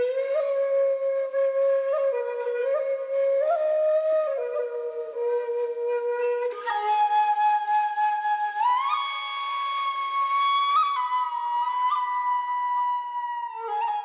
สวัสดีครับ